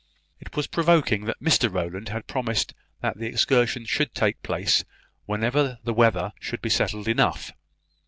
It was provoking that Mr Rowland had promised that the excursion should take place whenever the weather should be settled enough.